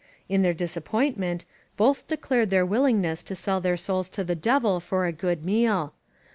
In their disappointment, both declared their willingness to sell their souls to the Devil for a good meal.